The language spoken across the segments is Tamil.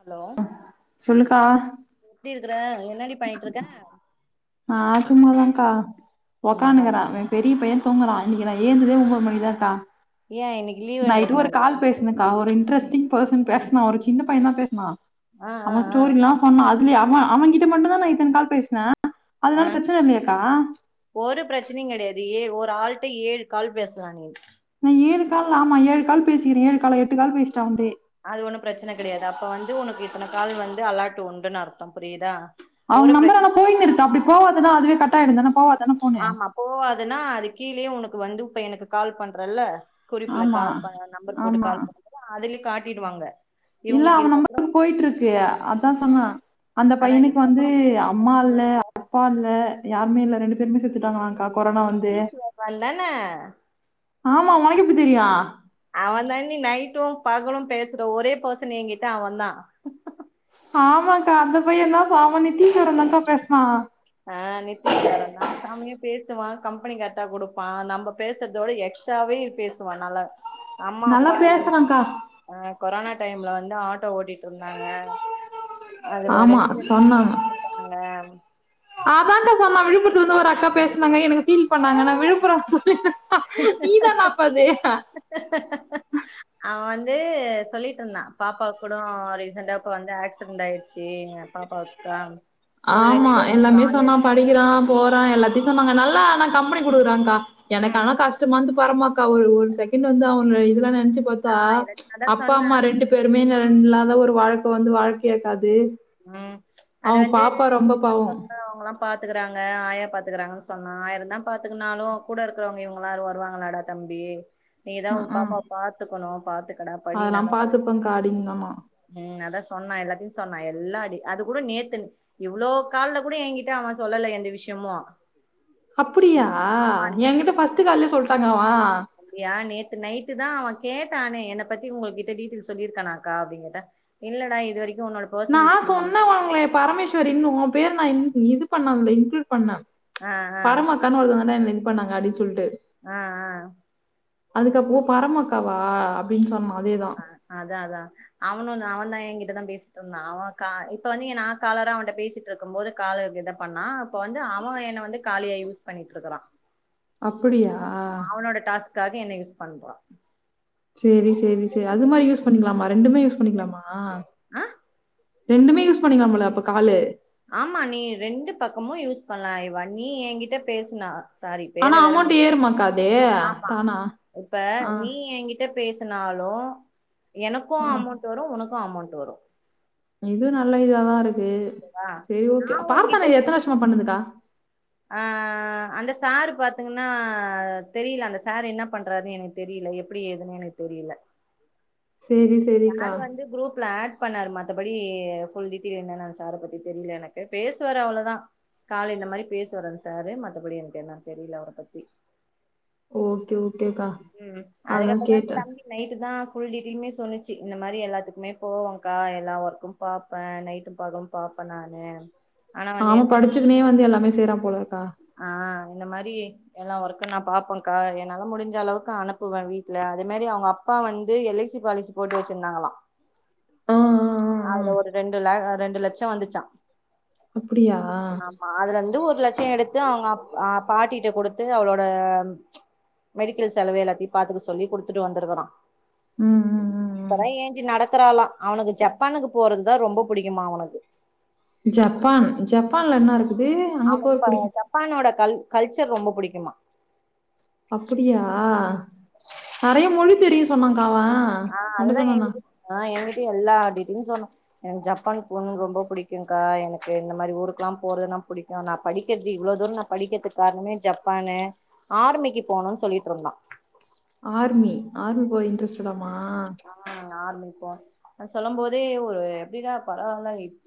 ஹலோ சொல்லுக்கா எப்டி இருக்கற என்னடி பண்ணிட்டு இருக்க நா சும்மாதானக்கா உக்காந்து சும்மாதா இங்க்றே இருக்கே அவ பெரிய பையன் தூங்குறா நிக்கிறா ஏந்துக்கவே ஒம்போது மணிதாக்கா ஏ இன்னைக்கு நைட்டு ஒரு லீவுன்றதுனாலயா கால் பேசுனக்கா ஒரு இன்ட்ரெஸ்டிங் பேர்ஷன் பேசனா ஒரு சின்ன பையதா பேசனா ஆ ஆ அவ ஆ ஸ்டோரில்லா சொன்னா அ ல்லிய அவ அவன்கிட்ட மட்டுதா நா இத்தன கால் பேசினே அ ஒரு பிரச்சனையு கெடையாது ஏ ஒரு டாள்ட ஏழு கால் பேசலா நீ நா ஏழு கால் ஆமா ஏழு கால் பேசிக்கிறே ஏழு காலா எட்டு கால் பேசிட்டா அவடியே அது ஒண்ணு பிரச்சன கெடையாதா அப்ப வந்து உனக்கு இத்தன கால் வந்து அலாட்டு உண்டுன்னு அர்த்தம் புரியுதா அவுங்க ஒரு நெம்பற் ஆனா பிரச்சன போயின் இருக்கு அப்பிடி போவா ப்பதா அதுவே கட்டாயிடுந்தானப்பா ஆமா போவாதுன்னா அது கீழேயே உனக்கு வந்து இப்ப எனக்கு கால் பண்றல்ல குரூப்புல ஆமா கால் ப நம்பர் போட்டு ஆமா கால் பண்ணம்போது அதுல காட் ட்டிடுவாங்க இல்ல அவ [inaudible] போயிட்ருக்கு அதா சொன்னா அந்த ஆனா பையனுக்கு இதுக்கப்புறோ வந்து அம்மா இல்ல அப்பா இல்ல யாருமே இல்ல ரெண்டு பேருமே செத் துட்டாங்களா நித்திஷ்வரன்தான ஆமா உனக்கு எப்டி தெரியு அவந்தாண்டி நைட்டு பகலு பேசுர ஒரே பர்சன் எங்கிட்ட அவந்தா ஆமாக்கா அந்த பையந்தா கால் பண்ணி நித்திஸ்வரன்தாங்க்கா பேசுனா ஆ நித்திஷ்வரன்தா செமயா பேசுவா கம்பெனி கரெக்டா குடுப்பா நம்ப பேசுறதோட எக்ஸ்ட்ராவே பேசுவா நல்லா. அம்மா நல்லா அப்பா இல் பேசுறான்க்கா. ஆ கொரானா டைம்ல வந்து ஆ ட்டோ ஓட்டிட்ருந்தாங்க அதுல ஆமா, ரெண்டு பேருமே எறந்துட்டாங்க அதாங்க்கா சொன்னா விழுப்புர த்திலிருந்து ஒரு அக்கா பேசுனாங்க எனக்கு ஃபீல் பண் ணாங்க நா விழுப்புறோ நீதானா அப்ப அது து சொல்லிட்ருந்தா பாப்பாவுக்கு கூடோ ரீசண்டா இப்ப வந்து ஆக்சிடன்ட் ஆயிடுச்சு பாப்பாக்குக்கா ஆமா எல்லாமே சொன்னா படிக்கிறா போறா எல்லாத்தையு சொன்னாங்க நல்லா ஆனா கம்பெனி குடுக்குறாங்க்கா எனக்கு ம் ஆனா கஷ்டமா இருந்துது வரமாக்கா ஒரு ஒரு செகண்ட் வந்து அவன இதுலன நென்ச்சு ஆ பாத்தா எனக்கு அதான் அப்பா அம்மா சொன்னேன் ரெண்டு பேருமே நெ இல்லாத ஒரு வாழ்க்க வந்து வாழ்க்கையாக்கா அது ம் அது அவ வந்து பாப்பா ரொம்ப பாவோ அவங்கல்லா பாத்துக்கறாங்க ஆயா பாத்துக்கறாங்கன்னு சொன்னா ஆயிரந்தா பாத்துக்கனாலு கூட இருக்கறவங்க இவங்க எல்லாரு வருவாங்களாடா தம்பி நீதா உன் ம்ஹ்ம். பாப்பாவ பாத்துக்கணு பாத்துக்கடா படி அதெல்லாம் நல்லா படி பாத்துப்பேன்க்கா அடிங்கம்மா. ம் அதா சொன்னா எல்லாத்தையு சொன்னா எ நல்லா‌ அடி அது கூட நேத்துன் இவ்ளோ கால்ல கூட எங்கிட்ட அவ சொல்லல எந்த விஷ்யமு அப்டியா எங்கிட்ட ஃபஸ்ட்டு கால்லயே சொல்ட்டாங்க அவா வந்தியா நேத்து நைட்டு தா அவ கேட்டானே என்ன பத்தி உங்க கிட்ட டீடைல் சொல்லிருக்கானாக்கா அப்டின் கேட்டா இல்லடா இது வரைக் நா சொன்னவங்களே பரமேஸ்வரி இன்னும் பேர் நா இன் இது பண்ணாமலயே இன்குளூட் பண்ணம் ஆ ஆ பரமா அக்கான்னு ஒருத்தவங்க வந்து [unintelligible] இது பண்ணாங்க அப்டின் சொல்டு ஆ ஆ அதுக்கப்புறோ பரமாக்காவா அப்டின் சொன்னா அதேதான் ஆ அதா அதா அவனுந் அவந்தா என்கிட்டதா பேசிட்ருந்தா அவோ கா இப்ப வந்து எ நா காலரா அவன்ட்ட பேசிட்டு இருக்கும் போது கால இத பண்ணா இப்போ வந்து அவ என்ன வந்து காலியா யூஸ் பண்ணிட்ருக்குறா அப்புடியா காக என்ன யூஸ் பண்றா சேரி சேரி சேரி அது மாரி யூஸ் பண்ணிக்கலாமா ரெண்டுமே யூஸ் பண்ணிக்கலாமா ஆ ரெண்டுமே யூஸ் பண்ணிக்கலாம் போல அப்ப காலு ஆமா நீ ரெண்டு பக்கமு யூஸ் பண்ணலா இவா நீ ஏங்கிட்ட பேசுனா சாரி பேர ஆனா வேற அமௌண்ட் மென் ஏறுமா அக்கா அதே ஆமா இப்ப நீ எங்கிட்ட பேஸ் சுனாலு எனக்கு ஆ அமோண்ட் வரு உனக்கு அமோண்ட் டு வரு இது நல்ல இதுதாவா இரு க்கு நா சேரி ஓகே உன்கிட்ட பார்த்தானா பே எத்தன விருஷமா பண்ணுதுக்கா ஆ அந்த சாரு பாத்திங்கன்னா தெரியில அந்த சாரு என்ன பண்றாருன்னு எனக்கு தெரியில எப்டி ஏதுனு எனக்கு தெரியில சேரி சேரிக்கா பண்ணாரு மத்தபடி ஃபுல் டீட்டெயில் என்னன்னா சார பத்தி தெரியில எனக்கு பேசுவாரு அவ்ளோதா கால இந்த மாரி பேசுவாரா சாரு மத்தபடி எனக்கு என்னன் தெரியில அவர பத்தி ஓகே ஓகேக்கா ம்க்ம் அதான் அதுக்கப்புறந்தா கேட்டேன் தம்பி நைட்டுதாஸ் ஃபுல் டீடையலுமே சொல்லு ச்சி இந்த மாரி எல்லாத்துக்குமே போவோங்கா எல்லா ஒர்க்கும் பாப்ப நைட்டும் பகளும் பாப்ப நானு ஆனா வந்து ஆமா படிச்சிக்குன்னே வந்து எல்லாமே செய்றான் போல ஆ இந்த மாதிரியே எல்லா ஒர்க்கும் நான் பாப்பேன்க்கா என்னால முடிஞ்ச அளவுக்கு அனுப்புவேன் வீட்டுல அதே மாதிரி அவுங்க அப்பா வந்து எல் ஐ சி பாலிசி போட்டு வச்சிருந்தாங்களாம் ஆ ஆ ஆ ஆ அதுல ஒரு ரெண்டுல ரெண்டு லட்சம் வந்துச்சாம் அப்டியா ஆமா அதுல இருந்து ஒரு லட்சம் எடுத் அங் அப் பாட்டிட்ட குடுத்து அவளோட மெடிக்கல் செலவு எல்லாத்தையும் பார்த்துக்க சொல்லி குடுத்துட்டு வந்திருக்குறான் ம் ம் ம் ம் அப்பதான் ஏஞ்சி நடக் ற்லாலாம் அவனுக்கு ஜப்பானுக்கு போறதுதான் ரொம்ப பிடிக்குமா அவனுக்கு ஜப்பான் ஜப்பான்ல என்ன இருக் அவன் இப்ப ஜப்பானோட கல் கல்ச்சர் ரொம்ப புடிக்குமா அப்டியா நறைய மொழி தெரியும் சொன்னா ஆ அதுதான் எங்கிட்ட ஆ எங்கிட்டய எல்லாம் அப்டி அப்படின்னு சொன்னா எனக்கு ஜப்பானுக்கு போணுன்னு ரொம்ப புடிக்கும்க்கா எனக்கு இந்த மாதிரி ஊருக்கல்லாம் போறதுனா புடிக்கும் நான் படிக்கிறது இவ்ளோ தூரம் நான் படிக்கிறதுக்கு காரணமே ஜப்பான்னு ஆர்மிக்கு போணும்ன்னு சொல்லிட்டு இருந்தான் ஆர்மி ஆர்மி போரா இன்ட்ரெஸ்ட்டடோ மா ஆரமிக்கா சொல்லும் போதே ஒரு எப்படிடா பரவாயில்ல எப்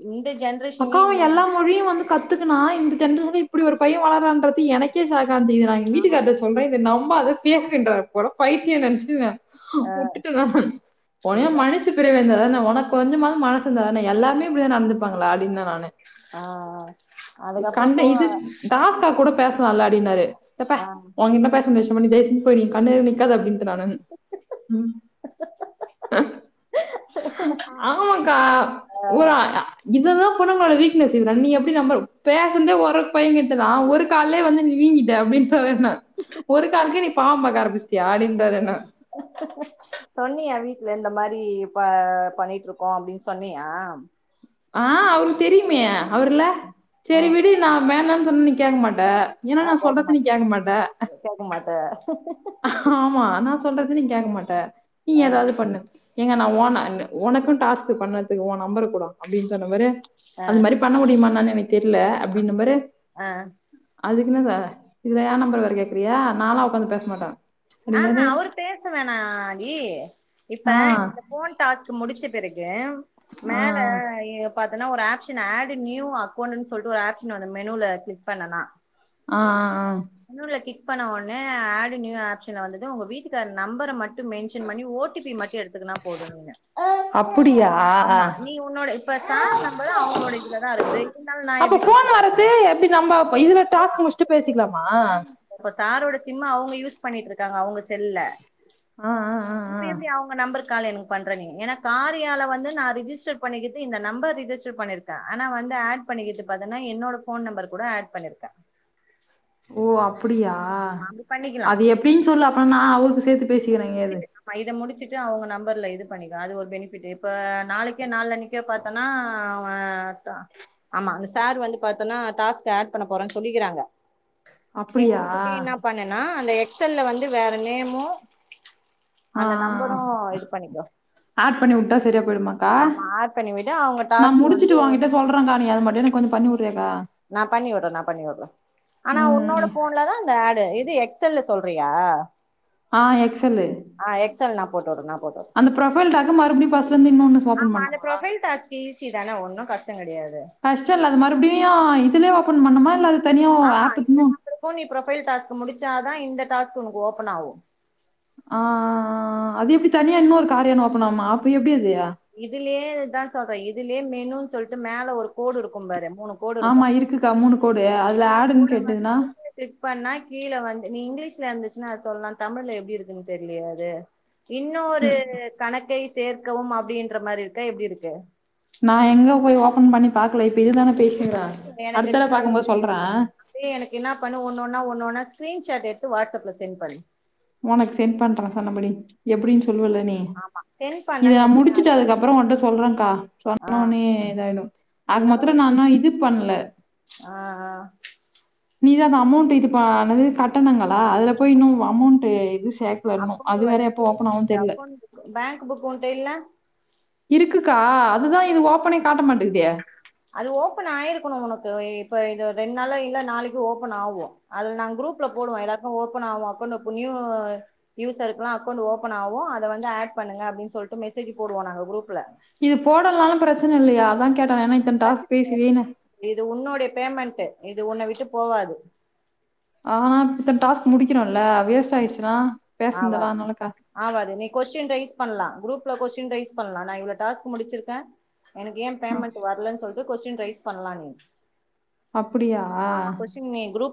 அக்கா எல்லா மொழியும் வந்து கத்துக்கின்னா இந்த எங்கயிருந்து இப்படி ஒரு பையன் வாரான்றது எனக்கே சாக் அப்டிகிறான் நான் எங்க வீட்டுக்கார்ட்ட சொல்றேன் இத நம் ரொம்ப அது கிய்கின்றார் போல பைத்தியம்ன்னு நெனச்சிட்டு உப்பு போட்டுட்டு நானு உடனே மனுஷப் பிறவியிருந்தா தானே உனக்கு கொஞ்சமாவது மனசு இருந்தானே எல்லாருமே இப்படிதான் நடந்துப்பாங்க வாடினா வானே ஆ அதுக்கப்புறோ உக்கண்ணு போ இது பாஸ்தா கூட பேச தல்லாடினாரு எப்ப ஆ ஓங்கிட்டலா பேச முடியாது நீ பேசின்னு போயிரு கண்ணுக்கே நிக்காத அப்டின்டே நான்னு ஆமாக்கா இததான் பொண்ணுங்களோட வீக்னஸ் நீ எப்டி நம்ப பேசுனதே ஒரு பையன்கிட்டதான் ஒரு காலே வந்து நீங்கிட்ட அப்டின்றாரு என்ன ஒரு காலுக்கே நீ பாவம் பாக்க ஆரம்பிச் யாடிப்பாரு என்ன இல்ல இந்த மாரி ப பண்ணிட்டுருக்கோ அப்பிடின்னு சொன்னியா ஆ அவருக்கு தெரியுமே அவுர்ல்ல சேரி ம் விடு நா வேணன் சொன் நீ கோக் மாட் ட்ட ஏன்னா ஆ நா கேக்க சொல்றத நீ கேட்க மாட்ட கேக்க மாட்ட ஆமா நா சொல்றது நீ கேக்க மா ட்ட நீ ஆ ஏதாது பண்ணு எங்க நா ஓனா ன் உனக்கு டாஸ்க் பண்ணதுக்கு உ நம்பர கூடோ அப்பிடின்னு சொன்னா பாரு ஆ அந்த மாரி பண்ணமுடியுமா நானு எனக்கு தெர்ல அப்பிடினபரு ஆ ஆ அது இல்லல்ல எ நம்பர்வேர கேக்குறியா நாலா ஒகாந்து பேச மாட்டே ஆஹ அப்டின்னாரு அவரு பேச வேணாடி இப்ப ஆ இந்த ஃபோன் டஸ்க் முடிச்சி க்கே ஆ மேல எப் பாத்தன்னா ஒரு ஆப்ஷன ஆடு நியூ அக்கௌண்னு சொல்லிட்டு ஒரு ஆப்ஷன் ஒன்னு மெனுல கிளிக் பண்ணனா ஆ ஆ ஆ மேனுல கிளிக் பண்ண ஒன்னே ஆடு நியு ஆப்ஷன்ல வந்துட்டு உங்க வீட்டுக்கார நம்பர மட் ட்டு மென்ஷன் பண்ணி ஓடிபி மட்டு எடுத்துக்கனா போது நீங்க அப்புடியா ஆமா நீ உன்னோட இப்ப சார் நம்பர் அவங்களோட இதுலதா இருக்கு இருனாலு நா அப்ப எப்பிடி ஃபோன் பேசிட்டுருக்கே வரது எப்டி நம்ப இதுல டாஸ்க் முடிச்சுட்டு பேசிக்கலாமா ஓ சா சாரோட சிம்ம அவங்க யூஸ் பண்ணிட்டு இருக்காங்க அவுங்க சி செல்ல ஆ ஆ ஆ இப்ப ஆ எப்பிடி அவங்க நம்பரக் கால் எனக் பண்ற நீ ஏன காரியால வந் ந்து ரிஜிஸ்டர் பண்ணிக்குது இந்த நம்பர் ரிஜிஸ்டர் பண்ணிருக்கே ஆனா வந்து ஆட் பண்ணிகிது பாத்தனா என்னோட ஃபோன் நம்பர் கூட ஆட் பண்ணிருக்கே ஓ அப்பிடியா ஆ அப்டி பண்ணிக்கலா அது எப்பிடின்னு சொல்லு அப்ப நா அவக்கு சேத்து பேசிக்கிறே எங்கியாது ட்டு அவுங்க நம்பர்ல இது பண்ணிக்க அது ஒரு பெணிஃபிட் இப்ப நாளைக்கே நாலு அன்னிகே பாத்தனா அவ டா ஆமா அந்த சார் வந்துட்டு பாத்தன்னா டாஸ்க் எட் பண்ண போறே சொல்லிகிறங்க அப்பிடியா கூட்டி என்ன பண்ணனா அந்த எக்ஸ் எல்ல வந்து து வேற நெமோ ஆ ஆ ஆட் பண்ணிவுட்டா சரியா போயிடுமா ஆ ஆமா ஆட் பண்ணி விடு அவங்க நா டாஸ்க் வந்து முடிச்சிட்டு உங்கிட்ட சொல்றேகா நீ அது மட்டு எனக்கு கொஞ்சோ பண்ணிவுரியா செய்வா நா பண்ணி உர்ற நா பண்ணி உர்ற ஆனா ம் உன்னோட ஃபோன்லதா இந்த ஏட் து இது எக்ஸ் எல்ல சொல்றியா ஆ எக்ஸல்லு ஆ எக்ஸல் நான் போட்டு உடனாப் அந்த புரொபைல் டாஸ்க்க மறுபடியு பஸ்ல இருந்து இன்னொன்னு ஓப்பன் பண்ணுமா தென ஒன்னு கஸ் கஷ்டோ இல்ல அது மறுபடியு யு இதுலயே ஓப்பன் பண்ணுமா இல்ல அது தனியா ஆமா ஆப் இல்ல இந்த இன்னும் நம்பருக்கு நீ புரொபைல் டாஸ்க்கு முடுச் முடுச்சாதா இந்த டாஸ்க்கு உனக்கு ஓப்பன் ஆகு ஆ ஆ ஆ ஆ அது எப்டி தனியா இன்னொரு காரியான் ஓப் போனாம அப்ப எப்டி இது இதுலியேதா சொல்ற இத் இதுலயே மெனுன் சொல்ட்டு மேல ஒரு கோடு இருக்கும் பாரு மூணு கோடு இருக்கு ஆமா இருக்குக்கா கோடு. அதுல மூணு ஆடுன்னு கோட கேட்டுதுன்னா, வந்து கிளிக் பண்ணா கீழ வந்து நீ இங்கிலீஷ் சியா இருந்துச்சுன்னா அது சொல்லா தமிழ்ல எப்டி இருக்குன் தெர்லியே அது இன்னொரு ம். கணக்கைஸ் சேர்க்கவும் அவ் அபடின்ற மாரி இருக்கா எப்டி இருக்கு நா எங்க போய் ஓப்பன் பண்ணி பா தலைப்பு இதுதான பேசுங்க அடுத்தடவ பாக்கும் போது சொல்ற அப்டியே எனக்கு என்ன பண்ணு ஒன்னொன்னா ஒன்னொன்னா ஸ்கிரீன் ஷாட் எடுத்து வாட்ஸ்ப்ல்ல சென்ட் பண்ணு உனக்கு சென்ட் பண்ற சொன்னபடி எப்புடின்ஸ் சொல்லுவல்ல நீ ஆமா சென்ட் இத பண்ணன்னு நா வச்சுக்கே முடுச்சுட்டு அதுக்கப்புறோ உன்ட சொல்றங்கா ஆ சொன்னோனயே இதாயிடு ஆக இதனால மொத்தல ஒரு நா ஆனா இது பண்ல ஆ ஆ நீதா அந்த அமோண்ட்டு இது பானது கட்டணங்கள் பா அதுல போய் இன்னு அமோண்ட்டு அக்கோண்ட்டு வந்துட்டு [inaudible] தெர்ல. அக்கோண்ட்டு குடு பேங்க்கு புக்கோண்டு இல்ல இருக்குக்கா அதுதா இது ஓப்பனே காட்ட மாட்டேங்குதே அது ஓப்பன் ஆயிருக்கோனு உனக்கு இப்ப இது ரெண் நாள்ல இல்ல நாளைக்கு ஓப்பன் ஆகு அது நாங்க குரூப்ல போடுவோ எல்லாருக்கு ஓப்பன் ஆகு அக்கோண்ட்டு இப்ப நியூ யூசருக்கெல்லா அக்கோண்ட்டு ஓப்பன் ஆகு அத வந்து ஏட் பண்ணுங்க அப்டின் சொல்ட்டு மெசேஜு போடுவோ நாங்க குரூப் இது போடலனாலு பிரச்சன இல்லையா? அதா கே ட்டே ஏன்னா இத்தன டாஸ்க் பேசி வீணே இது உன்னுடைய பேமெண்ட் இது உன்ன விட்டு போவாது ஆனா இத்தன டாஸ்க் முடிக்கணு ஆமா ஆவாது அதனாலக்கா. ஆவாது நீ கொஸ்டீன் ரைஸ் பண்லா குரூப் ல கொஸ்டின் ரைஸ் பண்லா நா இவ்ள டாஸ்க் முடிச்சிருக்கே எனக்கு ஏன் அ பேமெண்ட் வரலன்னு சொல் லி கொஸ்டின் ரைஸ் பண்லா நீ அப்பிடியா?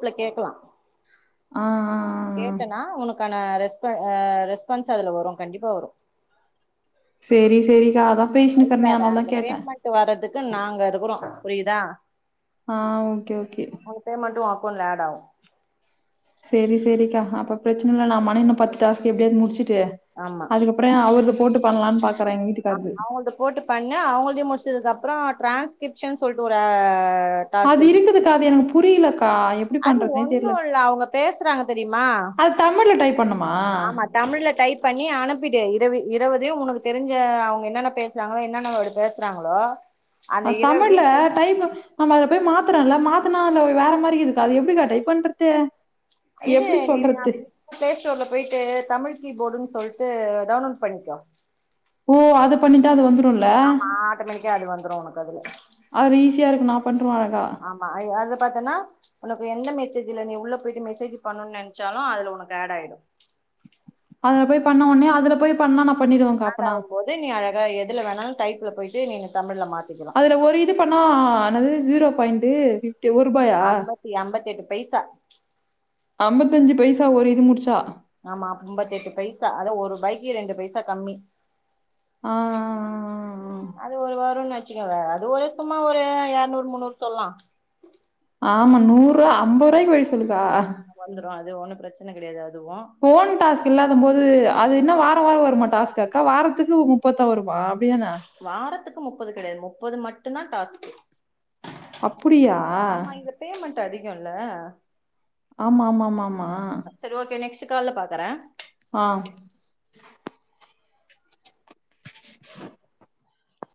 ல கேக்கலா ஆ ஆ ஆ. கேட்டனா உனக்கான ரெஸ்பா ஆ ரெஸ்பான்ஸ் அதுல வரு கண்டிப்பா வரு செரி செரிக்கா அதா பேசினுருக்கறனே அதனாலதா கேட்டே க்கு நாங்க இருக்குறோ புரியுதா? ஆ ஓகே ஓகே க்கவுண்ட்ல ஆட் ஆவு செரி செரிக்கா அப்ப பிரச்சனலா இல்ல நாம ஆனா இன்னு பத்து டாஸ்க்கு எப்டியாவது முடிச்சு ஆமா பண்ணலான்னு பாக்குறேன் எங்க ஆ வீட்டுக்காரரது. அவங்கள்து போட்டு பண்ணு அவங்கள்தயு முடிச்சதுக்கு அப்றோ டிரான்ஸ்கிரிப்ஷன் சொல்ட்டு ஒரு ஆ அது இருக்குதுக்கா அது எனக்கு புரியல அது ஒண்ணு இல்ல அவங்க பேசுறாங்க தெரியுமா அது தமிழ்ல டைப் பண்ணுமா? ஆமா தமிழ்ல டை ப் பண்ணி அனுப்பிடு இரவி இரவதையு உனக்கு தெரிஞ்ச அவங்க என்னென்ன பேசறாங்களோ என்னென்ன வரு பேசறாங்களோ ஆ தமிழ்ல டைப்பு நம்ம அத போய் மா த்துறோல்ல மாத்துனா அதுல வேற மாரி இருக்குதுக்கா அது எப்டிக்கா டைப் பண்றது இது எப்படி நீ சொல்றது? அது பிளே ஸ்டோர்ல போயிட்டு தமிழ் கீபோர்டுன்னு சொல்ட்டு டவுன்லோடு பண்ணிக்கோ ஓ அது பண்ணிட்டா அது வந்து ஆமா ஆட்டோமேட்டிக்கா அது வந்துரு உனக் கு அதுல அதுல ஈசியா இருக்கு நா பண் ஆமா அது பாத்தன்னா உனக்கு எந்த மெசேஜ்ல நீ உள்ள போயிட்டு மெசேஜ் பண்ணனு நெனச்சாலு அதுல உனக்கு ஆட் ஆயிடு அதுல போய் பண்ண உனே அதுல போய் பண்ணலாம் ந ஆடாகும்போது நீ அழகா எதுல வேணாலும் டை போயிட்டு நீங்க தமிழ்ல்ல மாத்தி அதுல ஒரு இது பண்ணா என்னது ஜீரோ பாயின்ட்டு ஐம்பத்தி ஐம்பத்தி எட்டு பைசா ஐம்பத்தஞ்சு பைசா ஒரு இது முடிச்சா ஆமா அம்பத்தி எட்டு பைசா அதா ஒரு ரூபாய்க்கு ரெண்டு பைசா கம்மி ஆ. அது ஒரு வாரம்ச் அது ஒரு சும்மா ஒரு இரநூறு முன்னூறு சொல்லலா ஆமா நூறு அம்பது ரூபாய்கு பொய்ஸ் வந்துருவா அது ஒன்னு பிரச்சன கெடயாதுல ஃபோன் டாஸ்க் இல்லாத போது அது என்ன வார வார வருமா டாஸ்க்க வாரத்துக்கு முப்பத்தான் வரு வா அப்டிதான வாரத்துக்கு முப்பது கெடயாது முப்பது மட்டு தா டாஸ்கு அப்புடியா இல்ல ஆமா ஆமா ஆமா ஆமா ஓகே நெக்ஸ்ட் கால்ல பாக்குறே [inaudible] [inaudible]